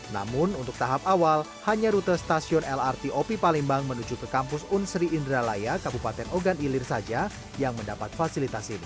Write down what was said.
namun untuk tahap awal hanya rute stasiun lrt op palembang menuju ke kampus unsri indralaya kabupaten ogan ilir saja yang mendapat fasilitas ini